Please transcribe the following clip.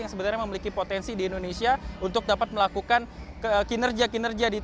yang sebenarnya memiliki potensi di indonesia untuk dapat melakukan kinerja kinerja